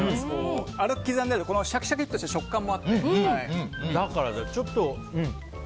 粗く刻んでるのでシャキシャキとした食感もあって。